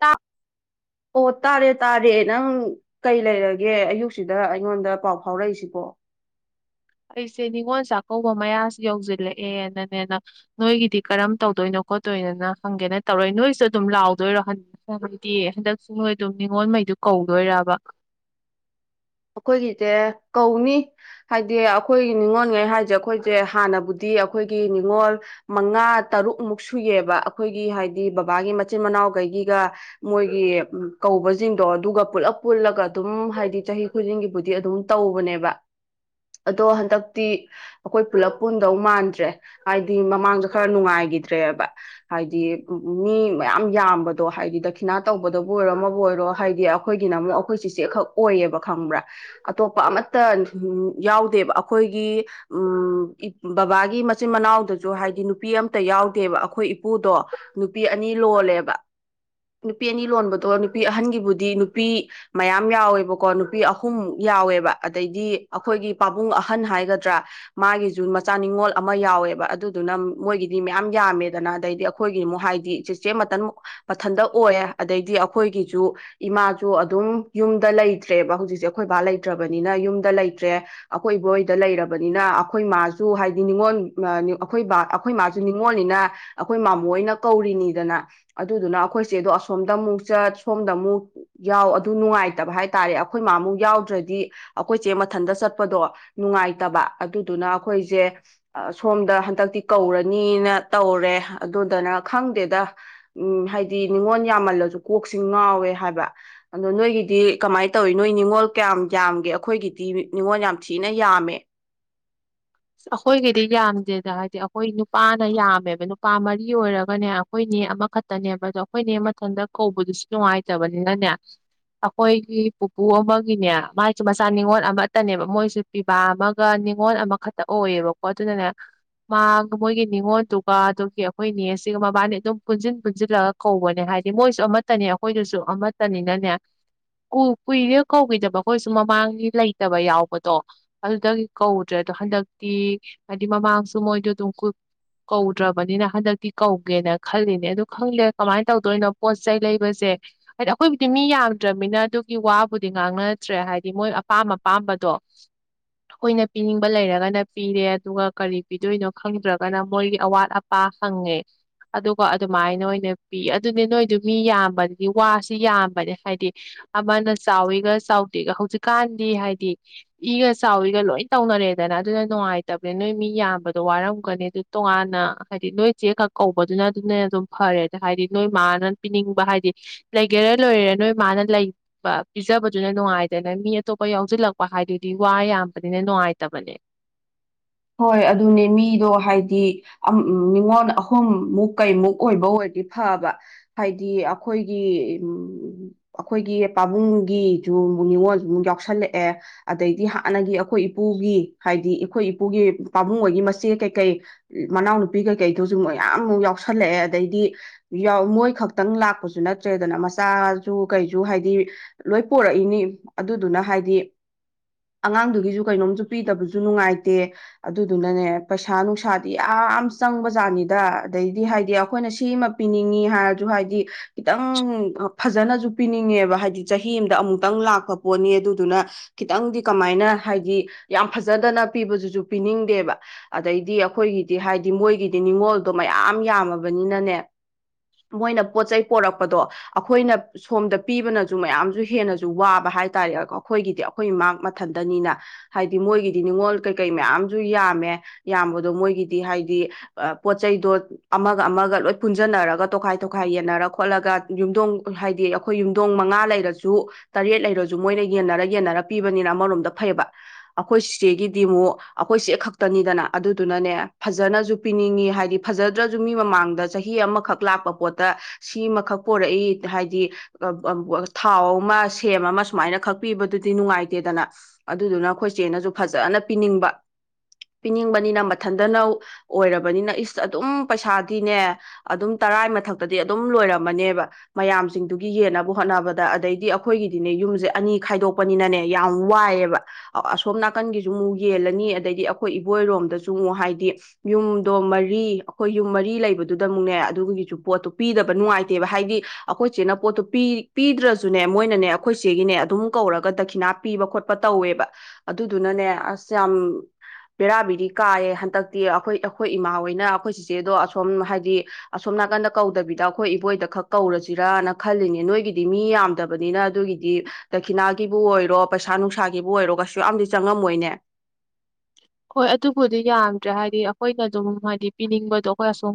ꯇ ꯑꯣ ꯇꯥꯔꯦ ꯇꯥꯔꯦ ꯅꯪ ꯀꯩ ꯂꯩꯔꯒꯦ ꯑꯌꯨꯛꯁꯤꯗ ꯑꯩꯉꯣꯟꯗ ꯄꯥꯎ ꯐꯥꯎꯔꯛꯏꯁꯤꯕꯣ ꯑꯩꯁꯦ ꯅꯤꯉꯣꯜ ꯆꯥꯛꯀꯧꯕ ꯃꯌꯥꯁꯨ ꯌꯧꯁꯤꯜꯂꯛꯑꯦꯅꯅꯦꯅ ꯅꯣꯏꯒꯤꯗꯤ ꯀꯔꯝ ꯇꯧꯗꯣꯏꯅꯣ ꯈꯣꯠꯇꯣꯏꯅꯣꯅ ꯍꯪꯒꯦꯅ ꯇꯧꯔ ꯅꯣꯏꯁꯨ ꯑꯗꯨꯝ ꯂꯥꯎꯗꯣꯏꯔꯣ ꯍꯟ ꯍꯥꯏꯗꯤ ꯍꯟꯗꯛꯁꯨ ꯅꯣꯏ ꯑꯗꯨꯝ ꯅꯤꯉꯣꯜꯉꯩꯗꯨ ꯀꯧꯗꯣꯏꯔꯕ ꯑꯩꯈꯣꯏꯒꯤꯁꯦ ꯀꯧꯅꯤ ꯍꯥꯏꯗꯤ ꯑꯩꯈꯣꯏꯒꯤ ꯅꯤꯉꯣꯜꯉꯩ ꯍꯥꯏꯁꯦ ꯑꯩꯈꯣꯏꯁꯦ ꯍꯥꯟꯅꯕꯨꯗꯤ ꯑꯩꯈꯣꯏꯒꯤ ꯅꯤꯉꯣꯜ ꯃꯉꯥ ꯇꯔꯨꯛꯃꯨꯛ ꯁꯨꯏꯌꯦꯕ ꯑꯩꯈꯣꯏꯒꯤ ꯍꯥꯏꯗꯤ ꯕꯕꯥꯒꯤ ꯃꯆꯤꯟ ꯃꯅꯥꯎꯈꯩꯒꯤꯒ ꯃꯣꯏꯒꯤ ꯀꯧꯕꯁꯤꯡꯗꯣ ꯑꯗꯨꯒ ꯄꯨꯜꯂꯞ ꯄꯨꯜꯂꯒ ꯑꯗꯨꯝ ꯍꯥꯏꯗꯤ ꯆꯍꯤ ꯑꯩꯈꯣꯏꯗꯤꯡꯒꯤꯕꯨꯗꯤ ꯑꯗꯨꯝ ꯇꯧꯕꯅꯦꯕ ꯑꯗꯣ ꯍꯟꯗꯛꯇꯤ ꯑꯩꯈꯣꯏ ꯄꯨꯂꯞ ꯄꯨꯟꯗꯧ ꯃꯥꯟꯗ꯭ꯔꯦ ꯍꯥꯏꯗꯤ ꯃꯃꯥꯡꯗ ꯈꯔ ꯅꯨꯡꯉꯥꯏꯈꯤꯗ꯭ꯔꯦ ꯇ꯭ꯔꯦꯕ ꯍꯥꯏꯗꯤ ꯃꯤ ꯃꯌꯥꯝ ꯌꯥꯝꯕꯗꯣ ꯍꯥꯏꯗꯤ ꯗꯈꯤꯅꯥ ꯇꯧꯕꯗꯕꯨ ꯑꯣꯏꯔꯣ ꯑꯃꯕꯨ ꯑꯣꯏꯔꯣ ꯍꯥꯏꯗꯤ ꯑꯩꯈꯣꯏꯒꯤꯅ ꯑꯃꯨꯛ ꯑꯩꯈꯣꯏ ꯆꯆꯦꯈꯛ ꯑꯣꯏꯌꯦꯕ ꯈꯪꯕ꯭ꯔꯥ ꯑꯇꯣꯞꯄ ꯑꯃꯠꯇ ꯌꯥꯎꯗꯦꯕ ꯑꯩꯈꯣꯏꯒꯤ ꯎ ꯕꯕꯥꯒꯤ ꯃꯆꯤꯟ ꯃꯅꯥꯎꯗꯁꯨ ꯍꯥꯏꯗꯤ ꯅꯨꯄꯤ ꯑꯃꯇ ꯌꯥꯎꯗꯦꯕ ꯑꯩꯈꯣꯏ ꯏꯄꯨꯗꯣ ꯅꯨꯄꯤ ꯑꯅꯤ ꯂꯣꯜꯂꯦꯕ ꯅꯨꯄꯤ ꯑꯅꯤ ꯂꯣꯟꯕꯗꯣ ꯅꯨꯄꯤ ꯑꯍꯟꯒꯤꯕꯨꯗꯤ ꯅꯨꯄꯤ ꯃꯌꯥꯝ ꯌꯥꯎꯋꯦꯕꯀꯣ ꯑꯍꯨꯝꯃꯨꯛ ꯌꯥꯎꯑꯦꯕ ꯑꯗꯩꯗꯤ ꯑꯩꯈꯣꯏꯒꯤ ꯄꯥꯕꯨꯡ ꯑꯍꯟ ꯍꯥꯏꯒꯗ꯭ꯔꯥ ꯃꯥꯒꯤꯁꯨ ꯃꯆꯥ ꯅꯤꯡꯅꯤꯉꯣꯜ ꯑꯃ ꯌꯥꯎꯋꯦꯕ ꯑꯗꯨꯗꯨꯅ ꯃꯣꯏꯒꯤꯗꯤ ꯃꯌꯥꯝ ꯌꯥꯝꯃꯦꯗꯅ ꯑꯗꯩꯗꯤ ꯑꯩꯈꯣꯏꯒꯤ ꯑꯃꯨꯛ ꯍꯥꯏꯗꯤ ꯆꯦꯆꯦ ꯃꯟ ꯃꯊꯟꯇ ꯑꯣꯏꯌꯦ ꯑꯗꯩꯗꯤ ꯑꯩꯈꯣꯏꯒꯤꯁꯨ ꯏꯃꯥꯁꯨ ꯑꯗꯨꯝ ꯌꯨꯝꯗ ꯂꯩꯇ꯭ꯔꯦ ꯭ꯔꯦꯕ ꯍꯧꯖꯤꯛꯁꯦ ꯑꯩꯈꯣꯏ ꯕꯥ ꯂꯩꯇ꯭ꯔꯕꯅꯤꯅ ꯌꯨꯝꯗ ꯂꯩꯇ꯭ꯔꯦ ꯑꯩꯈꯣꯏ ꯏꯕꯣꯏꯗ ꯂꯩꯔꯕꯅꯤꯅ ꯑꯩꯈꯣꯏ ꯃꯥꯁꯨ ꯍꯥꯏꯗꯤ ꯅꯤꯉꯣꯜ ꯑꯩꯈꯣꯏ ꯕꯥ ꯑꯩꯈꯣꯏ ꯃꯥꯁꯨ ꯅꯤꯡꯉꯣꯜꯅꯤꯅ ꯑꯩꯈꯣꯏ ꯃꯥꯃꯣꯅ ꯀꯧꯔꯤꯅꯤꯗꯅ ꯑꯗꯨꯗꯨꯅ ꯑꯩꯈꯣꯏꯁꯦꯗꯣ ꯑꯁꯣꯝꯗ ꯑꯃꯨꯛ ꯆꯠ ꯁꯣꯝꯗ ꯑꯃꯨꯛ ꯌꯥꯎ ꯑꯗꯨ ꯅꯨꯡꯉꯥꯏꯇꯕ ꯍꯥꯏ ꯍꯥꯏ ꯇꯥꯔꯦ ꯑꯩꯈꯣꯏ ꯃꯥꯃꯨꯛ ꯌꯥꯎꯗ꯭ꯔꯗꯤ ꯑꯩꯈꯣꯏꯁꯦ ꯃꯊꯟꯇ ꯆꯠꯄꯗꯣ ꯅꯨꯡꯉꯥꯏꯇꯕ ꯑꯗꯨꯗꯨꯅ ꯑꯩꯈꯣꯏꯁꯦ ꯁꯣꯝꯗ ꯍꯟꯗꯛꯇꯤ ꯀꯧꯔꯅꯤꯅ ꯇꯧꯔꯦ ꯑꯗꯨꯗꯅ ꯈꯪꯗꯦꯗ ꯎꯝ ꯍꯥꯏꯗꯤ ꯅꯤꯉꯣꯜ ꯌꯥꯝꯃꯜꯂꯁꯨ ꯀꯣꯛꯁꯤꯡ ꯉꯥꯎꯋꯦ ꯍꯥꯏꯕ ꯑꯗꯣ ꯅꯣꯏꯒꯤꯗꯤ ꯀꯃꯥꯏꯅ ꯇꯧꯋꯤ ꯅꯣꯏ ꯅꯤꯡꯉꯣꯜ ꯀꯌꯥꯝ ꯌꯥꯝꯒꯦ ꯑꯩꯈꯣꯏꯒꯤꯗꯤ ꯅꯤꯡꯅꯤꯉꯣꯜ ꯌꯥꯝ ꯊꯤꯅ ꯌꯥꯝꯃꯦ ꯑꯩꯈꯣꯏꯒꯤꯗꯤ ꯌꯥꯝꯗꯦꯗ ꯍꯥꯏꯗꯤ ꯑꯩꯈꯣꯏ ꯅꯨꯄꯥꯅ ꯌꯥꯝꯃꯦꯕ ꯅꯨꯄꯥ ꯃꯔꯤ ꯑꯣꯏꯔꯒꯅꯦ ꯑꯩꯈꯣꯏꯅꯦ ꯑꯃꯈꯛꯇꯅꯦꯕ ꯑꯗꯣ ꯑꯩꯈꯣꯏꯅꯦ ꯃꯊꯟꯇ ꯀꯧꯕꯗꯨꯁꯨ ꯅꯨꯡꯉꯥꯏꯇꯕꯅꯤꯅꯅꯦ ꯑꯩꯈꯣꯏꯒꯤ ꯄꯨꯄꯨ ꯑꯃꯒꯤꯅꯦ ꯃꯥꯏꯁꯨ ꯃꯆꯥ ꯅꯤꯉꯣꯜ ꯑꯃꯠꯇꯅꯦꯕ ꯃꯣꯏꯁꯨ ꯄꯤꯕꯥ ꯑꯃꯒ ꯅꯤꯉꯣꯜ ꯑꯃꯈꯛ ꯇ ꯑꯣꯏꯌꯦꯕꯀꯣ ꯑꯗꯨꯅꯅꯦ ꯃꯥꯒ ꯃꯣꯏꯒꯤ ꯅꯤꯉꯣꯜꯗꯨꯒ ꯑꯗꯨꯒꯤ ꯑꯩꯈꯣꯏꯅꯦ ꯁꯤꯒ ꯃꯕꯥꯅꯤ ꯑꯗꯨꯝ ꯄꯨꯟꯁꯤꯟ ꯄꯨꯟꯁꯤꯜꯂꯒ ꯀꯧꯕꯅꯦ ꯍꯥꯏꯗꯤ ꯃꯣꯏꯁꯨ ꯑꯃꯠꯇꯅꯦ ꯑꯩꯈꯣꯏꯗꯨꯁꯨ ꯑꯃꯠꯇꯅꯤꯅꯅꯦ ꯀꯨꯏꯔ ꯀꯧꯈꯤꯗꯕ ꯑꯩꯈꯣꯏꯁꯨ ꯃꯃꯥꯡꯒꯤ ꯂꯩꯇꯕ ꯌꯥꯎꯕꯗꯣ ꯑꯗꯨꯗꯒꯤ ꯀꯧꯗ꯭ꯔꯦ ꯑꯗꯣ ꯍꯟꯗꯛ ꯒꯤ ꯍꯥꯏꯗꯤ ꯃꯃꯥꯡꯁꯨ ꯃꯣꯏꯗꯣ ꯑꯗꯨꯝ ꯀꯧꯗ꯭ꯔꯕꯅꯤꯅ ꯍꯟꯗꯛꯇꯤ ꯀꯧꯒꯦꯅ ꯈꯜꯂꯤꯅꯦ ꯑꯗꯨ ꯈꯪꯗꯦ ꯀꯃꯥꯏꯅ ꯇꯧꯗꯣꯏꯅꯣ ꯄꯣꯠ ꯆꯩ ꯂꯩꯕꯁꯦ ꯍꯥꯏꯗꯤ ꯑꯩꯈꯣꯏꯕꯨꯗꯤ ꯃꯤ ꯌꯥꯝꯗ꯭ꯔꯕꯅꯤꯅ ꯑꯗꯨꯒꯤ ꯋꯥꯕꯨꯗꯤ ꯉꯥꯡꯅꯗ꯭ꯔꯦ ꯍꯥꯏꯗꯤ ꯃꯣꯏ ꯑꯄꯥꯝ ꯑꯄꯥꯝꯕꯗꯣ ꯑꯩꯈꯣꯏꯅ ꯄꯤꯅꯤꯡꯕ ꯂꯩꯔꯒꯅ ꯄꯤꯔꯦ ꯑꯗꯨꯒ ꯀꯔꯤ ꯄꯤꯗꯣꯏꯅꯣ ꯈꯪꯗ꯭ꯔꯒꯅ ꯃꯣꯏꯒꯤ ꯑꯋꯥꯠ ꯑꯄꯥ ꯍꯪꯉꯦ ꯑꯗꯨꯒ ꯑꯗꯨꯃꯥꯏꯅ ꯑꯣꯏꯅ ꯄꯤ ꯑꯗꯨꯅꯤ ꯅꯣꯏꯗꯨ ꯃꯤ ꯌꯥꯝꯕꯒꯤ ꯋꯥꯁꯤ ꯌꯥꯝꯕꯅꯦ ꯍꯥꯏꯗꯤ ꯑꯃꯅ ꯆꯥꯎꯋꯒ ꯆꯥꯎꯗꯦꯒ ꯍꯧꯖꯤꯛꯀꯥꯟꯗꯤ ꯍꯥꯏꯗꯤ ꯏꯒ ꯆꯥꯎꯋꯒ ꯂꯣꯏ ꯇꯧꯅꯔꯦꯗꯅ ꯑꯗꯨꯅ ꯅꯨꯡꯉꯥꯏꯇꯕꯅꯦ ꯅꯣꯏ ꯃꯤ ꯌꯥꯝꯕꯗꯣ ꯋꯥꯔꯝꯒꯅꯤ ꯑꯗꯨ ꯇꯣꯉꯥꯟꯅ ꯍꯥꯏꯗꯤ ꯅꯣꯏ ꯆꯦ ꯈꯛ ꯀꯧꯕꯗꯨꯅ ꯑꯗꯨꯅ ꯑꯗꯨꯝ ꯐꯔꯦ ꯑꯗ ꯍꯥꯏꯗꯤ ꯅꯣꯏ ꯃꯥꯅ ꯄꯤꯅꯤꯡꯕ ꯍꯥꯏꯗꯤ ꯂꯩꯒꯦꯔ ꯂꯣꯏꯔꯦꯔ ꯅꯣꯏ ꯃꯥꯅ ꯂꯩꯕ ꯄꯤꯖꯕꯗꯨꯅ ꯅꯨꯡꯉꯥꯏꯗꯅ ꯃꯤ ꯑꯇꯣꯞꯄ ꯌꯥꯎꯁꯤꯜꯂꯛꯄ ꯍꯥꯏꯗꯨꯗꯤ ꯋꯥ ꯌꯥꯝꯕꯅꯤꯅ ꯅꯨꯡꯉꯥꯏꯇꯕꯅꯦ ꯍꯣꯏ ꯑꯗꯨꯅꯦ ꯃꯤꯗꯣ ꯍꯥꯏꯗꯤ ꯅꯤꯉꯣꯜ ꯑꯍꯨꯝꯃꯨꯛ ꯀꯩꯃꯨꯛ ꯑꯣꯏꯕ ꯑꯣꯏꯔꯗꯤ ꯐꯕ ꯍꯥꯏꯗꯤ ꯑꯩꯈꯣꯏꯒꯤ ꯑꯩꯈꯣꯏꯒꯤ ꯄꯥꯕꯨꯡꯒꯤꯁꯨꯨꯛ ꯅꯤꯉꯣꯜꯁꯨ ꯑꯃꯨꯛ ꯌꯥꯎꯁꯜꯂꯛꯑꯦ ꯑꯗꯩꯗꯤ ꯍꯥꯟꯅꯒꯤ ꯑꯩꯈꯣꯏ ꯏꯄꯨꯒꯤ ꯍꯥꯏꯗꯤ ꯑꯩꯈꯣꯏ ꯃꯄꯨꯒꯤ ꯄꯥꯕꯨꯡꯉꯣꯏꯒꯤ ꯃꯆꯦ ꯀꯩꯀꯩ ꯃꯅꯥꯎꯅꯨꯄꯤ ꯀꯩꯀꯩꯗꯨꯁꯨ ꯃꯌꯥꯝꯃꯨꯛ ꯌꯥꯎꯁꯜꯂꯛꯑꯦ ꯑꯗꯩꯗꯤ ꯃꯣꯏ ꯈꯛꯇꯪ ꯂꯥꯛꯄꯁꯨ ꯅꯠꯇ꯭ꯔꯦꯗꯅ ꯃꯆꯥꯁꯨ ꯀꯩꯁꯨ ꯍꯥꯏꯗꯤ ꯂꯣꯏ ꯄꯣꯔꯛꯏꯅꯤ ꯑꯗꯨꯗꯨꯅ ꯍꯥꯏꯗꯤ ꯑꯉꯥꯡꯗꯨꯒꯤꯁꯨ ꯀꯩꯅꯣꯝꯁꯨ ꯄꯤꯗꯕꯁꯨ ꯅꯨꯡꯉꯥꯏꯇ ꯦ ꯑꯗꯨꯗꯨꯅꯅꯦ ꯄꯩꯁꯥ ꯅꯨꯡꯁꯥꯗꯤ ꯌꯥꯝ ꯆꯪꯕ ꯖꯥꯠꯅꯤꯗ ꯑꯗꯩꯗꯤ ꯍꯥꯏꯗꯤ ꯑꯩꯈꯣꯏꯅ ꯁꯤꯃ ꯄꯤꯅꯤꯡꯉꯤ ꯍꯥꯏꯔꯁꯨ ꯍꯥꯏꯗꯤ ꯈꯤꯇꯪ ꯐꯖꯅꯁꯨ ꯄꯤꯅꯤꯡꯉꯦꯕ ꯍꯥꯏꯗꯤ ꯆꯍꯤ ꯑꯃꯗ ꯑꯃꯨꯛꯇꯪ ꯂꯥꯛꯄ ꯄꯣꯠꯅꯤ ꯑꯗꯨꯗꯨꯅ ꯈꯤꯇꯪꯗꯤ ꯀꯃꯥꯏꯅ ꯍꯥꯏꯗꯤ ꯌꯥꯝ ꯐꯖꯗꯅ ꯄꯤꯕꯗꯨꯁꯨ ꯄꯤꯅꯤꯡꯗꯦꯕ ꯑꯗꯩꯗꯤ ꯑꯩꯈꯣꯏꯒꯤꯗꯤ ꯍꯥꯏꯗꯤ ꯃꯣꯏꯒꯤꯗꯤ ꯅꯤꯡꯉꯣꯜꯗꯣ ꯃꯌꯥꯝ ꯌꯥꯝꯃꯕꯅꯤꯅꯅꯦ ꯃꯣꯏꯅ ꯄꯣꯠ ꯆꯩꯩ ꯄꯣꯔꯛꯄꯗꯣ ꯑꯩꯈꯣꯏꯅ ꯁꯣꯝꯗ ꯄꯤꯕꯅꯁꯨ ꯃꯌꯥꯝꯁꯨ ꯍꯦꯟꯅꯁꯨ ꯋꯥꯕ ꯍꯥꯏꯇꯥꯥꯔꯦ ꯑꯩꯈꯣꯏꯒꯤꯗꯤ ꯑꯩꯈꯣꯏꯒꯤ ꯃꯥꯛ ꯃꯊꯟꯇꯅꯤꯅ ꯍꯥꯏꯗꯤ ꯃꯣꯏꯒꯤꯗꯤ ꯅꯤꯡꯉꯣꯜ ꯀꯩ ꯀꯩ ꯃꯌꯥꯝꯁꯨ ꯌꯥꯝꯃꯦ ꯌꯥꯝꯕꯗꯣ ꯃꯣꯏꯒꯤꯗꯤ ꯍꯥꯏꯗꯤ ꯄꯣꯠ ꯆꯩꯩꯗꯣ ꯑꯃꯒ ꯑꯃꯒ ꯂꯣꯏ ꯄꯨꯟꯁꯤꯟꯅꯔꯒ ꯇꯣꯈꯥꯏ ꯇꯣꯈꯥꯏ ꯌꯦꯟꯅꯔ ꯈꯣꯠꯂꯒ ꯌꯨꯝꯊꯣꯡ ꯍꯥꯏꯗꯤ ꯑꯩꯈꯣꯏ ꯌꯨꯝꯊꯣꯡ ꯃꯉꯥ ꯂꯩꯔꯁꯨ ꯇꯔꯦꯠ ꯂꯩꯔꯁꯨ ꯃꯣꯏꯅ ꯌꯦꯟꯅꯔ ꯌꯦꯟꯅꯔ ꯄꯤꯕꯅꯤꯅ ꯑꯃꯔꯣꯝꯗ ꯐꯩꯕ ꯑꯩꯈꯣꯏ ꯁꯤꯆꯦꯒꯤ ꯗꯤ ꯑꯃꯨꯛ ꯑꯩꯈꯣꯏ ꯆꯦ ꯈꯛꯇꯅꯤꯗꯅ ꯑꯗꯨꯗꯨꯅꯅꯦ ꯐꯖꯅꯁꯨ ꯄꯤꯅꯤꯡꯉꯤ ꯍꯥꯏꯗꯤ ꯐꯖꯗ꯭ꯔꯁꯨ ꯃꯤ ꯃꯃꯥꯡꯗ ꯆꯍꯤ ꯑꯃꯈꯛ ꯂꯥꯛꯄ ꯄꯣꯠꯇ ꯁꯤ ꯑꯃꯈꯛ ꯄꯣꯔꯛꯏ ꯍꯥꯏꯗꯤ ꯊꯥꯎ ꯑꯃ ꯁꯦꯝ ꯑꯃ ꯁꯨꯃꯥꯏꯅ ꯈꯛ ꯄꯤꯕꯗꯨꯗꯤ ꯅꯨꯡꯉꯥꯏꯇꯦꯗꯅ ꯑꯗꯨꯗꯨꯅ ꯑꯩꯈꯣꯏ ꯆꯦꯅꯁꯨ ꯐꯖꯅ ꯄꯤꯅꯤꯡꯕ ꯄꯤꯅꯤꯡꯕꯅꯤꯅ ꯃꯊꯟꯇꯅ ꯑꯣꯏꯔꯕꯅꯤꯅ ꯏꯁ ꯑꯗꯨꯝ ꯄꯩꯁꯥꯗꯤꯅꯦ ꯑꯗꯨꯝ ꯇꯔꯥꯏ ꯃꯊꯛꯇꯗꯤ ꯑꯗꯨꯝ ꯂꯣꯏꯔꯝꯃꯅꯦꯕ ꯃꯌꯥꯝꯁꯤꯡꯗꯨꯒꯤ ꯌꯦꯟꯅꯕ ꯍꯣꯠꯅꯕꯗ ꯑꯗꯩꯗꯤ ꯑꯩꯈꯣꯏꯒꯤꯗꯤꯅꯦ ꯌꯨꯝꯁꯦ ꯑꯅꯤ ꯈꯥꯏꯗꯣꯛꯄꯅꯤꯅꯅꯦ ꯌꯥꯝ ꯋꯥꯏꯑꯦꯕ ꯑꯁꯣꯝ ꯅꯥꯀꯟꯒꯤꯁꯨ ꯑꯃꯨꯛ ꯌꯦꯦꯜꯂꯅꯤ ꯑꯗꯩꯗꯤ ꯑꯩꯈꯣꯏ ꯏꯕꯣꯏꯔꯣꯝꯗꯁꯨ ꯑꯃꯨꯛ ꯍꯥꯏꯗꯤ ꯌꯨꯝꯗꯣ ꯃꯔꯤ ꯑꯩꯈꯣꯏ ꯌꯨꯝ ꯃꯔꯤ ꯂꯩꯕꯗꯨꯗ ꯑꯃꯨꯛꯅꯦ ꯑꯗꯨꯒꯤꯁꯨ ꯄꯣꯠꯇꯣ ꯄꯤꯗꯕ ꯅꯨꯡꯉꯥꯏꯇꯦꯕ ꯍꯥꯏꯗꯤ ꯑꯩꯈꯣꯏꯆꯦꯅ ꯄꯣꯠꯇꯨ ꯄꯤꯗ꯭ꯔꯁꯨꯅꯦ ꯃꯣꯏꯅꯅꯦ ꯑꯩꯈꯣꯏꯆꯦꯒꯤꯅꯦ ꯑꯗꯨꯝ ꯀꯧꯔꯒ ꯗꯈꯤꯅꯥ ꯄꯤꯕ ꯈꯣꯠꯄ ꯇꯧꯋꯦꯕ ꯑꯗꯨꯗꯨꯅꯅꯦ ꯑꯁ ꯌꯥꯝ ꯄꯕꯦꯔꯥꯕꯤꯗꯤ ꯀꯥꯏꯌꯦ ꯍꯟꯗꯛꯇꯤ ꯑꯩꯈꯣꯏ ꯑꯩꯈꯣꯏ ꯏꯃꯥꯍꯣꯏꯅ ꯑꯩꯈꯣꯏ ꯆꯤꯆꯦꯗꯣ ꯑꯁꯣꯝ ꯍꯥꯏꯗꯤ ꯑꯁꯣꯝ ꯅꯥꯀꯟꯗ ꯀꯧꯗꯕꯤꯗ ꯑꯩꯈꯣꯏ ꯏꯕꯣꯏꯗ ꯈꯛ ꯀꯧꯔꯁꯤꯔꯅ ꯈꯜꯂꯤꯅꯦ ꯅꯣꯏꯒꯤꯗꯤ ꯃꯤ ꯌꯥꯝꯗꯕꯅꯤꯅ ꯑꯗꯨꯒꯤꯗꯤ ꯗꯈꯤꯅꯥꯒꯤꯕꯨ ꯑꯣꯏꯔꯣ ꯄꯩꯁꯥ ꯅꯨꯡꯁꯥꯒꯤꯕꯨ ꯑꯣꯏꯔꯣ ꯀꯩꯁꯨ ꯌꯥꯝꯗꯤ ꯆꯪꯉꯝꯃꯣꯏꯅꯦ ꯍꯣꯏ ꯑꯗꯨꯕꯨꯗꯤ ꯌꯥꯝꯗ꯭ꯔꯦ ꯍꯥꯏꯗꯤ ꯑꯩꯈꯣꯏꯅ ꯑꯗꯨꯝ ꯍꯥꯏꯗꯤ ꯄꯤꯅꯤꯡꯕꯗꯣ ꯑꯩꯈꯣꯏ ꯑꯁꯨꯝ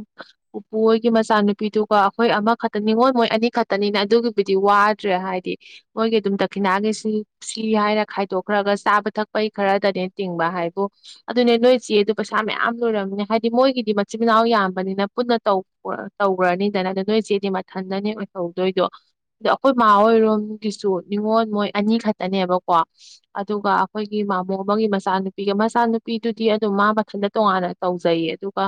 ꯎꯄꯨ ꯍꯣꯏꯒꯤ ꯃꯆꯥꯅꯨꯄꯤꯗꯨꯒ ꯑꯩꯈꯣꯏ ꯑꯃꯈꯛꯇꯅꯤꯉꯣꯏ ꯃꯣꯏ ꯑꯅꯤ ꯈꯛꯇꯅꯤꯅ ꯑꯗꯨꯒꯤꯕꯨꯗꯤ ꯋꯥꯗ꯭ꯔꯦ ꯍꯥꯏꯗꯤ ꯃꯣꯏꯒꯤ ꯑꯗꯨꯝ ꯗꯈꯤꯅꯥꯒꯤꯁꯤ ꯁꯤ ꯍꯥꯏꯔ ꯈꯥꯏꯗꯣꯛꯈ꯭ꯔꯒ ꯆꯥꯕ ꯊꯛꯄꯩ ꯈꯔꯗꯅꯦ ꯇꯤꯡꯕ ꯍꯥꯏꯕꯨ ꯑꯗꯨꯅꯦ ꯅꯣꯏ ꯆꯦꯗ ꯄꯩꯁꯥ ꯃꯌꯥꯝ ꯂꯣꯏꯔꯝꯅꯦ ꯍꯥꯏꯗꯤ ꯃꯣꯏꯒꯤꯗꯤ ꯃꯆꯤꯟ ꯃꯅꯥꯎ ꯌꯥꯝꯕꯅꯤꯅ ꯄꯨꯟꯅ ꯇꯧꯈ꯭ꯔꯅꯤꯗꯅ ꯑꯗ ꯅꯣꯏ ꯆꯦꯗꯤ ꯃꯊꯟꯗꯅꯦ ꯑꯣꯏꯍꯧꯗꯣꯏꯗꯣ ꯑꯗ ꯑꯩꯈꯣꯏ ꯃꯥ ꯍꯣꯏꯔꯣꯝꯒꯤꯁꯨ ꯅꯤꯉꯣꯜ ꯃꯣꯏ ꯑꯅꯤ ꯈꯛꯇꯅꯦꯕꯀꯣ ꯑꯗꯨꯒ ꯑꯩꯈꯣꯏꯒꯤ ꯃꯃꯣ ꯑꯃꯒꯤ ꯃꯆꯥꯅꯨꯄꯤꯒꯤ ꯏꯆꯥꯅꯨꯄꯤꯗꯨꯗꯤ ꯑꯗꯨꯝ ꯃꯥ ꯃꯊꯟꯇ ꯇꯣꯉꯥꯟꯅ ꯇꯧꯖꯩꯌꯦ ꯑꯗꯨꯒ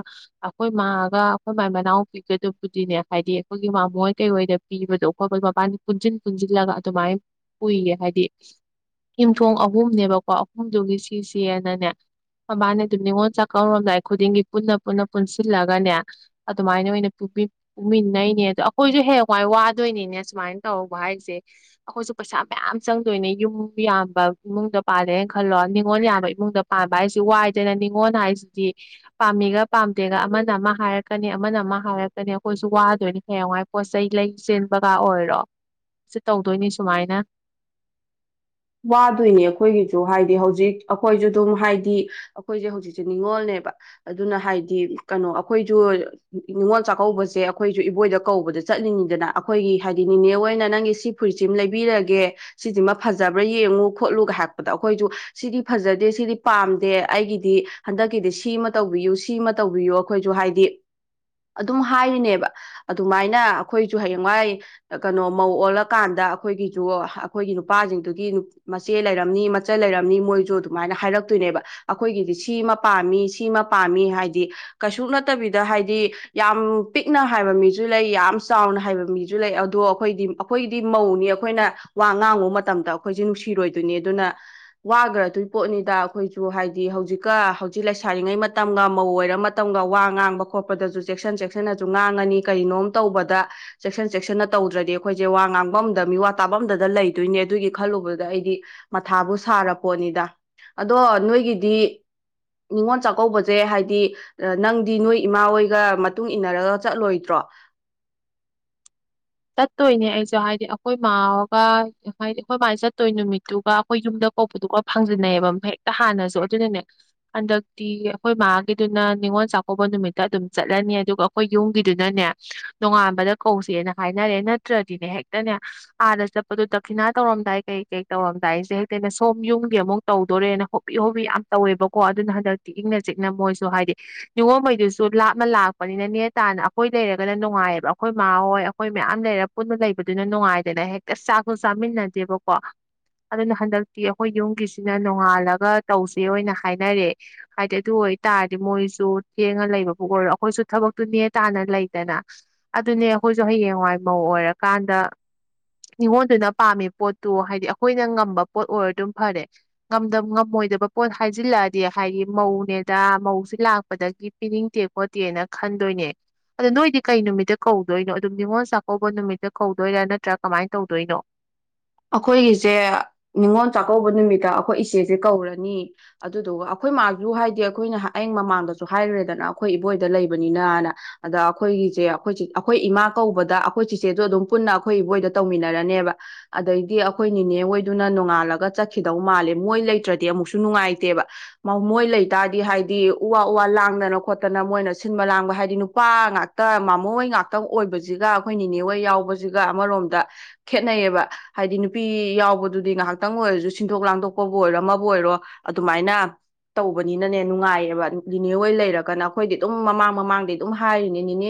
ꯑꯩꯈꯣꯏ ꯃꯥꯒ ꯑꯩꯈꯣꯏ ꯃꯥꯏ ꯃꯅꯥꯎꯄꯤꯒꯗꯨꯕꯨꯗꯤꯅꯦ ꯍꯥꯏꯗꯤ ꯑꯩꯈꯣꯏꯒꯤ ꯃꯃꯣꯏ ꯍꯣꯏ ꯀꯩꯍꯣꯏꯗ ꯄꯤꯕꯗꯣ ꯈꯣꯠꯄꯗ ꯃꯕꯥꯅꯤ ꯄꯨꯟꯁꯤꯟ ꯄꯨꯟꯁꯤꯜꯂꯒ ꯑꯗꯨꯃꯥꯏꯅ ꯄꯨꯏꯌꯦ ꯍꯥꯏꯗꯤ ꯌꯨꯝꯊꯣꯡ ꯑꯍꯨꯝꯅꯦꯕꯀꯣ ꯑꯍꯨꯝꯗꯨꯒꯤ ꯁꯤꯁꯅꯅꯦ ꯃꯕꯥꯅꯦ ꯑꯗꯨꯝ ꯅꯤꯉꯣꯜ ꯆꯥꯛꯀꯧꯔꯣꯝꯗꯥꯏ ꯑꯩ ꯈꯨꯗꯤꯡꯒꯤ ꯄꯨꯟꯅ ꯄꯨꯟꯅ ꯄꯨꯟꯁꯤꯜꯂꯒꯅꯦ ꯑꯗꯨꯃꯥꯏꯅ ꯑꯣꯏꯅ ꯄꯨꯃꯤꯟꯅꯩꯅꯦ ꯑꯗꯣ ꯑꯩꯈꯣꯏꯁꯨ ꯍꯦꯛꯡꯋꯥꯏ ꯋꯥꯗꯣꯏꯅꯤꯅꯦ ꯁꯨꯃꯥꯏꯅ ꯇꯧꯔꯧꯕ ꯍꯥꯏꯁꯦ ꯑꯩꯈꯣꯏꯁꯨ ꯄꯩꯁꯥ ꯃꯌꯥꯝ ꯆꯪꯗꯣꯏꯅꯦ ꯌꯨꯝ ꯌꯥꯝꯕ ꯏꯃꯨꯡꯗ ꯄꯥꯜꯂꯦꯅ ꯈꯜꯂꯣ ꯅꯤꯉꯣꯜ ꯌꯥꯝꯕ ꯏꯃꯨꯡꯗ ꯄꯥꯝꯕ ꯑꯩꯁꯤ ꯋꯥꯏꯗꯅ ꯅꯤꯉꯣꯟꯜ ꯍꯥꯏꯁꯤꯗꯤ ꯄꯥꯝꯃꯤꯒ ꯄꯥꯝꯗꯦꯒ ꯑꯃꯅ ꯑꯃ ꯍꯥꯏꯔꯛꯀꯅꯤ ꯑꯃꯅ ꯑꯃ ꯍꯥꯏꯔꯛꯀꯅꯤ ꯑꯩꯈꯣꯏꯁꯨ ꯋꯥꯗꯣꯏꯅꯤ ꯍꯌꯦꯡꯋꯥꯏ ꯄꯣꯠꯆ ꯂꯩ ꯆꯦꯟꯕꯒ ꯑꯣꯏꯔꯣ ꯁꯤ ꯇꯧꯗꯣꯏꯅꯤ ꯁꯨꯃꯥꯏꯅ ꯋꯥꯗꯣꯏꯅꯦ ꯑꯩꯈꯣꯏꯒꯤꯁꯨ ꯍꯥꯏꯗꯤ ꯍꯧꯖꯤꯛ ꯑꯩꯈꯣꯏꯁꯨ ꯑꯗꯨꯝ ꯍꯥꯏꯗꯤ ꯑꯩꯈꯣꯏꯁꯦ ꯍꯧꯖꯤꯛꯁꯦ ꯅꯤꯡꯅꯤꯉꯣꯜꯅꯦꯕ ꯑꯗꯨꯅ ꯍꯥꯏꯗꯤ ꯀꯩꯅꯣ ꯑꯩꯈꯣꯏꯁꯨ ꯅꯤꯡꯅꯤꯉꯣꯜ ꯆꯥꯛꯀꯧꯕꯁꯦ ꯑꯩꯈꯣꯏꯁꯨ ꯏꯕꯣꯏꯗ ꯀꯧꯕꯗ ꯆꯠꯂꯤꯅꯤꯗꯅ ꯑꯩꯈꯣꯏꯒꯤ ꯍꯥꯏꯗꯤ ꯅꯅꯦ ꯑꯣꯏꯅ ꯅꯪꯒꯤ ꯁꯤ ꯐꯨꯔꯤꯠꯁꯤꯃ ꯂꯩꯕꯤꯔꯒꯦ ꯁꯤꯁꯤꯃ ꯐꯖ ꯐꯖꯕ꯭ꯔꯥ ꯌꯦꯡꯉꯨ ꯈꯣꯠꯂꯨꯒ ꯍꯥꯏꯛꯄꯗ ꯑꯩꯈꯣꯏꯁꯨ ꯁꯤꯗꯤ ꯐꯖꯗꯦ ꯁꯤꯗꯤ ꯄꯥꯝꯗꯦ ꯑꯩꯒꯤꯗꯤ ꯍꯟꯗꯛꯀꯤꯗꯤ ꯁꯤꯃ ꯇꯧꯕꯤꯌꯨ ꯁꯤꯃ ꯇꯧꯕꯤꯌꯨ ꯑꯩꯈꯣꯏꯁꯨ ꯍꯥꯏꯗꯤ ꯑꯗꯨꯝ ꯍꯥꯏꯔꯤꯅꯦꯕ ꯑꯗꯨꯃꯥꯏꯅ ꯑꯩꯈꯣꯏꯁꯨ ꯍꯌꯦꯡꯋꯥꯏ ꯀꯩꯅꯣ ꯃꯧ ꯑꯣꯜꯂꯀꯥꯟꯗ ꯑꯩꯈꯣꯏꯒꯤꯁꯨ ꯑꯩꯈꯣꯏꯒꯤ ꯅꯨꯄꯥꯁꯤꯡ ꯑꯗꯨꯒꯤ ꯃꯆꯦ ꯂꯩꯔꯝꯅꯤ ꯃꯆꯜ ꯂꯩꯔꯝꯅꯤ ꯃꯣꯏꯁꯨ ꯑꯗꯨꯃꯥꯏꯅ ꯍꯥꯏꯔꯛꯇꯣꯏꯅꯦꯕ ꯑꯩꯈꯣꯏꯒꯤꯗꯤ ꯁꯤꯃ ꯄꯥꯝꯃꯤ ꯁꯤꯃ ꯄꯥꯝꯃꯤ ꯍꯥꯏꯗꯤ ꯀꯩꯁꯨ ꯅꯠꯇꯕꯤꯗ ꯍꯥꯏꯗꯤ ꯌꯥꯝ ꯄꯤꯛꯅ ꯍꯥꯏꯕ ꯃꯤꯁꯨ ꯂꯩ ꯌꯥꯝ ꯆꯥꯎꯅ ꯍꯥꯏꯕ ꯃꯤꯁꯨ ꯂꯩ ꯑꯗꯣ ꯑꯩꯈꯣꯏꯗꯤ ꯑꯩꯈꯣꯏꯒꯤꯗꯤ ꯃꯧꯅꯤ ꯑꯩꯈꯣꯏꯅ ꯋꯥ ꯉꯥꯡꯉꯨ ꯃꯇꯝꯗ ꯑꯩꯈꯣꯏꯁꯦ ꯅꯨꯡꯁꯤꯔꯣꯏꯗꯣꯏꯅꯤ ꯑꯗꯨꯅ ꯋꯥꯈ꯭ꯔꯗꯣꯏ ꯄꯣꯠꯅꯤꯗ ꯑꯩꯈꯣꯏꯁꯨ ꯍꯥꯏꯗꯤ ꯍꯧꯖꯤꯛꯀ ꯍꯧꯖꯤꯛ ꯂꯩꯁꯥꯔꯤꯉꯩ ꯃꯇꯝꯒ ꯃꯧ ꯑꯣꯏꯔ ꯃꯇꯝꯒ ꯋꯥ ꯉꯥꯡꯕ ꯈꯣꯠꯄꯗꯁꯨ ꯆꯦꯛꯁꯤꯟ ꯆꯦꯛꯁꯤꯟꯅꯁꯨ ꯉꯥꯡꯉꯅꯤ ꯀꯔꯤꯅꯣꯝ ꯇꯧꯕꯗ ꯆꯦꯛꯁꯤꯟ ꯆꯦꯛꯁꯤꯟꯅ ꯇꯧꯗ꯭ꯔꯗꯤ ꯑꯩꯈꯣꯏꯁꯦ ꯋꯥ ꯉꯥꯡꯕ ꯑꯝꯗ ꯃꯤꯋꯥ ꯇꯥꯕ ꯑꯝꯗ ꯂꯩꯗꯣꯏꯅꯦ ꯑꯗꯨꯒꯤ ꯈꯜꯂꯨꯕꯗ ꯑꯩꯗꯤ ꯃꯊꯥꯕꯨ ꯁꯥꯔꯄꯣꯠꯅꯤꯗ ꯑꯗꯣ ꯅꯣꯏꯒꯤꯗꯤ ꯅꯤꯉꯣꯜ ꯆꯥꯛꯀꯧꯕꯁꯦ ꯍꯥꯏꯗꯤ ꯅꯪꯗꯤ ꯅꯣꯏ ꯏꯃꯥ ꯍꯣꯏꯒ ꯃꯇꯨꯡ ꯏꯟꯅꯔꯒ ꯆꯠꯂꯣꯏꯗ꯭ꯔꯣ ꯆꯠꯇꯣꯏꯅꯦ ꯑꯩꯁꯨꯦ ꯍꯥꯏꯗꯤ ꯑꯩꯈꯣꯏ ꯃꯥꯒ ꯍꯥꯏꯗꯤ ꯑꯩꯈꯣꯏ ꯃꯥꯁ ꯆꯠꯇꯣꯏ ꯅꯨꯃꯤꯠꯇꯨꯒ ꯑꯩꯈꯣꯏ ꯌꯨꯝꯗ ꯀꯧꯕꯗꯨꯒ ꯐꯪꯖꯟꯅꯩꯌꯦꯕ ꯍꯦꯛꯇ ꯍꯥꯟꯅꯁꯨ ꯑꯗꯨꯅꯅꯦ ꯍꯟꯗꯛꯇꯤ ꯑꯩꯈꯣꯏ ꯃꯥꯒꯤꯗꯨꯅ ꯅꯤꯉꯣꯜ ꯆꯥꯛꯀꯧꯕ ꯅꯨꯃꯤꯠꯇ ꯑꯗꯨꯝ ꯆꯠꯂꯅꯤ ꯑꯗꯨꯒ ꯑꯩꯈꯣꯏ ꯌꯨꯝꯒꯤꯗꯨꯅꯅꯦ ꯅꯣꯡꯉꯥꯟꯕꯗ ꯀꯧꯁꯦꯅ ꯍꯥꯏꯅꯔꯦ ꯅꯠꯇ꯭ꯔꯗꯤꯅꯦ ꯍꯦꯛꯇꯅꯦ ꯑꯥꯗ ꯆꯠꯄꯗꯣ ꯗꯈꯤꯅꯥ ꯇꯧꯔꯝꯗꯥꯏ ꯀꯩ ꯀꯩ ꯇꯧꯔꯝꯗꯥꯏꯁꯦ ꯍꯦꯛꯇꯅꯦ ꯁꯣꯝ ꯌꯨꯝꯒꯤ ꯑꯃꯨꯛ ꯇꯧꯗꯣꯔꯦꯅ ꯍꯣꯕꯤ ꯍꯣꯕꯤ ꯌꯥꯝ ꯇꯧꯋꯦꯕꯀꯣ ꯑꯗꯨꯅ ꯍꯟꯗꯛꯇꯤ ꯏꯪꯅ ꯆꯤꯛꯅ ꯃꯣꯏꯁꯨ ꯍꯥꯏꯗꯤ ꯅꯤꯉꯣꯝꯕꯩꯗꯨꯁꯨ ꯂꯥꯞꯅ ꯂꯥꯛꯄꯅꯤꯅ ꯅꯦ ꯇꯥꯅ ꯑꯩꯈꯣꯏ ꯂꯩꯔꯒꯅ ꯅꯨꯡꯉꯥꯏꯑꯕ ꯑꯩꯈꯣꯏ ꯃꯥꯥ ꯍꯣꯏ ꯑꯩꯈꯣꯏ ꯃꯌꯥꯝ ꯂꯩꯔ ꯄꯨꯟꯅ ꯂꯩꯕꯗꯨꯅ ꯅꯨꯡꯉꯥꯏꯗꯅ ꯍꯦꯛꯇ ꯆꯥꯛꯁꯨ ꯆꯥꯃꯤꯟꯅꯗꯦꯕꯀꯣ ꯑꯗꯨꯅ ꯍꯟꯗꯛꯇꯤ ꯑꯩꯈꯣꯏ ꯌꯨꯝꯒꯤꯁꯤꯅ ꯅꯣꯡꯉꯥꯜꯂꯒ ꯇꯧꯁꯦ ꯑꯣꯏꯅ ꯍꯥꯏꯅꯔꯦ ꯍꯥꯏꯗꯤ ꯑꯗꯨ ꯑꯣꯏꯇꯥꯔꯗꯤ ꯃꯣꯏꯁꯨ ꯊꯦꯡꯉ ꯂꯩꯕꯕꯨ ꯑꯣꯏꯔꯣ ꯑꯩꯈꯣꯏꯁꯨ ꯊꯕꯛꯇꯨ ꯅꯦ ꯇꯥꯅ ꯂꯩꯗꯅ ꯑꯗꯨꯅꯦ ꯑꯩꯈꯣꯏ ꯨ ꯍꯌꯦꯡꯋꯥꯏ ꯃꯧ ꯑꯣꯏꯔꯀꯥꯟꯗ ꯅꯤꯉꯣꯟꯗꯨꯅ ꯄꯥꯝꯃꯤ ꯄꯣꯠꯇꯨ ꯍꯥꯏꯗꯤ ꯑꯩꯈꯣꯏꯅ ꯉꯝꯕ ꯄꯣꯠ ꯑꯣꯏꯔ ꯑꯗꯨꯝ ꯐꯔꯦ ꯉꯝꯃꯣꯏꯗꯕ ꯄꯣꯠ ꯍꯥꯏꯖꯤꯜꯂꯛꯑꯗꯤ ꯍꯥꯏꯗꯤ ꯃꯧꯅꯦꯗ ꯃꯧꯁꯤ ꯂꯥꯛꯄꯗꯒꯤ ꯄꯤꯅꯤꯡꯗꯦ ꯈꯣꯠꯇꯦꯅ ꯈꯟꯗꯣꯏꯅꯦ ꯑꯗꯣ ꯅꯣꯏꯗꯤ ꯀꯩ ꯅꯨꯃꯤꯠꯇ ꯀꯧꯗꯣꯏꯅꯣ ꯑꯗꯨꯝ ꯅꯤꯉꯣꯜ ꯆꯥꯛꯀꯧꯕ ꯅꯨꯃꯤꯠꯇ ꯀꯧꯗꯣꯏꯔꯥ ꯅꯠꯇ꯭ꯔꯥ ꯀꯃꯥꯏꯅ ꯇꯧꯗꯣꯏꯅꯣ ꯑꯩꯈꯣꯏꯒꯤꯁꯦ ꯅꯤꯉꯣꯜ ꯆꯥꯛꯀꯧꯕ ꯅꯨꯃꯤꯠꯇ ꯑꯩꯈꯣꯏ ꯏꯆꯦꯁꯦ ꯀꯧꯔꯅꯤ ꯑꯗꯨꯗꯨꯒ ꯑꯩꯈꯣꯏ ꯃꯥꯁꯨ ꯍꯥꯏꯗꯤ ꯑꯩꯈꯣꯏꯅ ꯍꯌꯦꯡ ꯃꯃꯥꯡꯗꯁꯨ ꯍꯥꯏꯈ꯭ꯔꯦꯗꯅ ꯑꯩꯈꯣꯏ ꯏꯕꯣꯏꯗ ꯂꯩꯕꯅꯤꯅꯅ ꯑꯗ ꯑꯩꯈꯣꯏꯒꯤꯁꯦ ꯑꯩꯈꯣꯏ ꯑꯩꯈꯣꯏ ꯏꯃꯥ ꯀꯧꯕꯗ ꯑꯩꯈꯣꯏ ꯆꯤꯆꯦꯗ ꯑꯗꯨꯝ ꯄꯨꯟꯅ ꯑꯩꯈꯣꯏ ꯏꯕꯣꯏꯗ ꯇꯧꯃꯤꯟꯅꯔꯅꯦꯕ ꯑꯗꯩꯗꯤ ꯑꯩꯈꯣꯏ ꯅꯤꯅꯦ ꯍꯣꯏꯗꯨꯅ ꯅꯣꯡꯉꯥꯜꯂꯒ ꯆꯠꯈꯤꯗꯧ ꯃꯥꯜꯂꯦ ꯃꯣꯏ ꯂꯩꯇ꯭ꯔꯗꯤ ꯑꯃꯨꯛꯁꯨ ꯅꯨꯡꯉꯥꯏꯇꯦꯕ ꯃꯣꯏ ꯂꯩꯇꯥꯥꯔꯗꯤ ꯍꯥꯏꯗꯤ ꯎ ꯋꯥ ꯎ ꯋꯥ ꯂꯥꯡꯗꯅ ꯈꯣꯠꯇꯅ ꯃꯣꯏꯅ ꯁꯤꯟꯕ ꯂꯥꯡꯕ ꯍꯥꯏꯗꯤ ꯅꯨꯄꯥ ꯉꯥꯛꯇ ꯃꯃꯣꯏ ꯍꯣꯏ ꯉꯥꯛꯇ ꯑꯣꯏꯕꯁꯤꯒ ꯑꯩꯈꯣꯏ ꯅꯤꯅꯦꯍꯣꯏ ꯌꯥꯎꯕꯁꯤꯒ ꯑꯃꯔꯣꯝꯗ ꯈꯦꯠꯅꯩꯌꯦꯕ ꯍꯥꯏꯗꯤ ꯅꯨꯄꯤ ꯌꯥꯎꯕꯗꯨꯗꯤ ꯉꯥꯏꯍꯥꯛꯇꯪ ꯑꯣꯏꯔꯁꯨ ꯁꯤꯟꯗꯣꯛ ꯂꯥꯡꯊꯣꯛꯄꯕꯨ ꯑꯣꯏꯔꯣ ꯑꯃꯕꯨ ꯑꯣꯏꯔꯣ ꯑꯗꯨꯃꯥꯏꯅ ꯇꯧꯕꯅꯤꯅꯅꯦ ꯅꯨꯡꯉꯥꯏꯌꯦꯕ ꯅꯦ ꯍꯣꯏ ꯂꯩꯔꯒꯅ ꯑꯩꯈꯣꯏꯗꯤ ꯑꯗꯨꯝ ꯃꯃꯥꯡ ꯃꯃꯥꯡꯗꯤ ꯑꯗꯨꯝ ꯍꯥꯏꯔꯤꯅꯦ ꯅꯅꯦ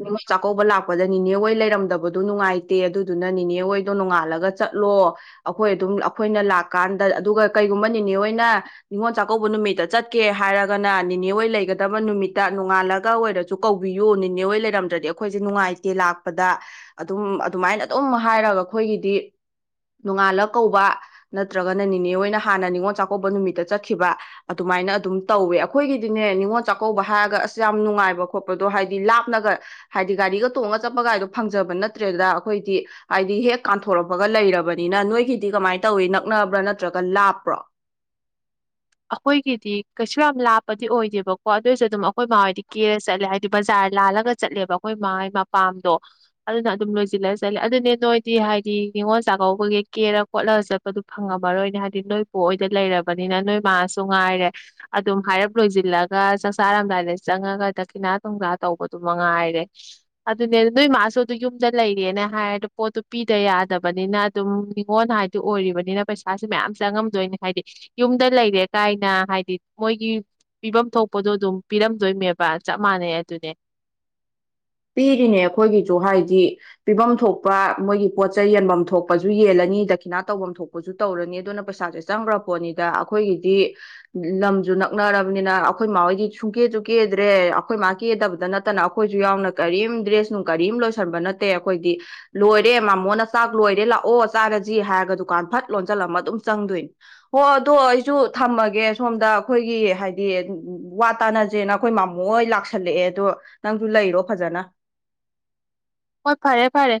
ꯉꯣ ꯆꯥꯛꯀꯧꯕ ꯂꯥꯛꯄꯗ ꯅꯤꯅꯦ ꯍꯣꯏ ꯂꯩꯔꯝꯗꯕꯗꯣ ꯅꯨꯡꯉꯥꯏꯇꯦ ꯑꯗꯨꯗꯨꯅ ꯅꯦ ꯍꯣꯏꯗꯣ ꯅꯣꯡꯉꯥꯜꯂꯒ ꯆꯠꯂꯣ ꯑꯩꯈꯣꯏ ꯑꯗꯨꯝ ꯑꯩꯈꯣꯏꯅ ꯂꯥꯛꯀꯥꯟꯗ ꯑꯗꯨꯒ ꯀꯩꯒꯨꯝꯕ ꯦꯅꯦ ꯍ ꯑꯣꯏꯅ ꯅꯤꯉꯣꯜ ꯆꯥꯛꯀꯧꯕ ꯅꯨꯃꯤꯠꯇ ꯆꯠꯀꯦ ꯍꯥꯏꯔꯒꯅ ꯅꯦꯅꯦꯣꯏ ꯂꯩꯒꯗꯕ ꯅꯨꯃꯤꯠꯇ ꯅꯣꯡꯉꯥꯜꯂꯒ ꯑꯣꯏꯔꯁꯨ ꯀꯧꯕꯤꯌꯨ ꯅꯦꯅꯦꯣꯏ ꯂꯩꯔꯝꯗ꯭ꯔꯗꯤ ꯑꯩꯈꯣꯏꯁꯦ ꯅꯨꯡꯉꯥꯏꯇꯦ ꯂꯥꯛꯄꯗ ꯑꯗꯨꯝ ꯑꯗꯨꯃꯥꯏꯅ ꯑꯗꯨꯝ ꯍꯥꯏꯔꯒ ꯑꯩꯈꯣꯏꯒꯤꯗꯤ ꯅꯣꯡꯉꯥꯜꯂ ꯀꯧꯕ ꯅꯠꯇ꯭ꯔꯒꯅ ꯦꯅꯦ ꯑꯣꯏꯅ ꯍꯥꯟꯅ ꯅꯤꯉꯣꯜ ꯆꯥꯛꯀꯧꯕ ꯅꯨꯃꯤꯠꯇ ꯆꯠꯈꯤꯕ ꯑꯗꯨꯃꯥꯏꯅ ꯑꯗꯨꯝ ꯇꯧꯋꯦ ꯑꯩꯈꯣꯏꯒꯤꯗꯤꯅꯦ ꯅꯤꯉꯣꯜ ꯆꯥꯛꯀꯧꯕ ꯍꯥꯏꯔꯒ ꯑꯁ ꯌꯥꯝ ꯅꯨꯡꯉꯥꯏꯕ ꯈꯣꯠꯄꯗꯣ ꯍꯥꯏꯗꯤ ꯂꯥꯞꯅꯒ ꯍꯥꯏꯗꯤ ꯒꯥꯔꯤꯒ ꯇꯣꯡꯉꯒ ꯆꯠꯄꯒꯥꯏꯗꯣ ꯐꯪꯖꯕ ꯅꯠꯇ꯭ꯔꯦꯗ ꯑꯩꯈꯣꯏꯗꯤ ꯍꯥꯏꯗꯤ ꯍꯦꯛ ꯀꯥꯟꯊꯣꯔꯛꯄ ꯒ ꯂꯩꯔꯕꯅꯤꯅ ꯅꯣꯏꯒꯤꯗꯤ ꯀꯃꯥꯏꯅ ꯇꯧꯋꯤ ꯅꯛꯅꯕ꯭ꯔꯥ ꯅꯠꯇ꯭ꯔꯒ ꯂꯥꯞꯄ꯭ꯔꯣ ꯑꯩꯈꯣꯏꯒꯤꯗꯤ ꯀꯩꯁꯨ ꯌꯥꯝ ꯂꯥꯞꯄꯗꯤ ꯑꯣꯏꯗꯦꯕꯀꯣ ꯑꯗꯨꯑꯣꯏꯁꯨ ꯑꯗꯨꯝ ꯑꯩꯈꯣꯏ ꯃꯥꯣꯏꯗꯤ ꯀꯦꯔ ꯆꯠꯂꯦ ꯍꯥꯏꯕꯗꯤ ꯕꯖꯥꯔ ꯂꯥꯜꯂꯒ ꯆꯠꯂꯦꯕ ꯑꯩꯈꯣꯏ ꯃꯥꯒꯤ ꯃꯄꯥꯝꯗꯣ ꯑꯗꯨꯅ ꯑꯗꯨꯝ ꯂꯣꯏꯁꯤꯜꯂ ꯆꯠꯂꯦ ꯑꯗꯨꯅꯦ ꯅꯣꯏꯗꯤ ꯍꯥꯏꯗꯤ ꯅꯤꯉꯣꯜ ꯆꯥꯛꯀꯧꯕꯒꯤ ꯀꯦꯔ ꯈꯣꯠꯂꯒ ꯆꯠꯄꯗꯨ ꯐꯪꯉꯝꯃꯔꯣꯏꯅꯦ ꯍꯥꯏꯗꯤ ꯅꯣꯏ ꯄꯣꯛꯣꯏꯗ ꯂꯩꯔꯕꯅꯤꯅ ꯅꯣꯏ ꯃꯥꯁꯨ ꯉꯥꯏꯔꯦ ꯑꯗꯨꯝ ꯍꯥꯏꯔꯞ ꯂꯣꯏꯁꯤꯜꯂꯒ ꯆꯥꯛ ꯆꯔꯝꯗꯥꯏꯗ ꯆꯪꯉꯒ ꯗꯈꯤꯅꯥ ꯊꯨꯝꯖꯥ ꯇꯧꯕꯗꯨ ꯃꯉꯥꯏꯔꯦ ꯑꯗꯨꯅꯦ ꯅꯣꯏ ꯃꯥꯁꯨ ꯑꯗꯨ ꯌꯨꯝꯗ ꯂꯩꯔꯦꯅ ꯍꯥꯏꯔꯗ ꯄꯣꯠꯇꯨ ꯄꯤꯗ ꯌꯥꯗꯕꯅꯤꯅ ꯑꯗꯨꯝ ꯅꯤꯉꯣꯟꯜ ꯍꯥꯏꯗꯤ ꯑꯣꯏꯔꯤꯕꯅꯤꯅ ꯄꯩꯁꯥꯥꯁ ꯃꯌꯥꯝ ꯆꯪꯉꯝꯗꯣꯏꯅꯦ ꯍꯥꯏꯗꯤ ꯌꯨꯝꯗ ꯂꯩ ꯀꯥꯏꯅ ꯍꯥꯏꯗꯤ ꯃꯣꯏꯒꯤ ꯄꯤꯐꯝ ꯊꯣꯛꯄꯗꯣ ꯑꯗꯨꯝ ꯄꯤꯔꯝꯗꯣꯏꯅꯦꯕ ꯆꯞ ꯃꯥꯟꯅꯩ ꯑꯗꯨꯅꯦ ꯄꯤꯔꯤꯅꯦ ꯑꯩꯈꯣꯏꯒꯤꯁꯨ ꯍꯥꯏꯗꯤ ꯄꯤꯐꯝ ꯊꯣꯛꯄ ꯃꯣꯏꯒꯤ ꯄꯣꯠꯆꯩ ꯌꯦꯟꯐꯝ ꯊꯣꯛꯄꯁꯨ ꯌꯦꯜꯂꯅꯤ ꯗꯈꯤꯅꯥ ꯇꯧꯐꯝ ꯊꯣꯛꯄꯁꯨ ꯇꯧꯔꯅꯤ ꯑꯗꯨꯅ ꯄꯩꯁꯥꯁꯦ ꯆꯪꯈ꯭ꯔ ꯄꯣꯠꯅꯤꯗ ꯑꯩꯈꯣꯏꯒꯤꯗꯤ ꯂꯝꯁꯨ ꯅꯛꯅꯔꯕꯅꯤꯅ ꯑꯩꯈꯣꯏ ꯃꯥ ꯍꯣꯏꯗꯤ ꯁꯨꯡꯀꯦꯁꯨ ꯀꯦꯗ꯭ꯔꯦ ꯑꯩꯈꯣꯏ ꯃꯥ ꯀꯦꯗꯕꯗ ꯅꯠꯇꯅ ꯑꯩꯈꯣꯏꯁꯨ ꯌꯥꯎꯅ ꯀꯔꯤꯝ ꯗ꯭ꯔꯦꯁ ꯅꯨꯡ ꯀꯔꯤꯝ ꯂꯣꯏꯁꯟꯕ ꯅꯠꯇꯦ ꯑꯩꯈꯣꯏꯗꯤ ꯂꯣꯏꯔꯦ ꯃꯥꯃꯣꯅ ꯆꯥꯛ ꯂꯣꯏꯔꯦ ꯂꯥꯛꯑꯣ ꯆꯥꯔꯁꯤ ꯍꯥꯏꯔꯒ ꯗꯨꯀꯥꯟ ꯐꯠ ꯂꯣꯟꯁꯤꯜꯂꯝꯃ ꯑꯗꯨꯝ ꯆꯪꯗꯣꯏꯅꯤ ꯍꯣ ꯑꯗꯣ ꯑꯩꯁꯨ ꯊꯝꯃꯒꯦ ꯁꯣꯝꯗ ꯑꯩꯈꯣꯏꯒꯤ ꯍꯥꯏꯗꯤ ꯋꯥ ꯇꯥꯅꯁꯦꯅ ꯑꯩꯈꯣꯏ ꯃꯥꯃꯣ ꯍ ꯂꯥꯛꯁꯜꯂꯛꯑꯦ ꯑꯗꯣ ꯅꯪꯁꯨ ꯂꯩꯔꯣ ꯐꯖꯅ ꯑꯣ ꯐꯥꯔꯦ ꯐꯥꯔꯦ